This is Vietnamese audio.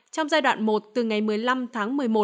trong giai đoạn một từ ngày một mươi năm tháng một mươi một